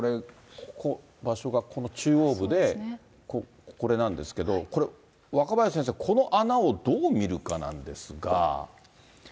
場所がこの中央部で、これなんですけど、これ、若林先生、この穴をどう見るかなんですが。